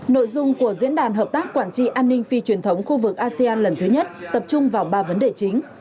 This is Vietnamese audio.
nội dung của diễn đàn hợp tác quản trị an ninh phi truyền thống khu vực asean lần thứ nhất tập trung vào ba vấn đề chính